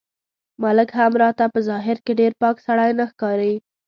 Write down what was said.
ملک هم راته په ظاهر کې ډېر پاک سړی نه ښکاري.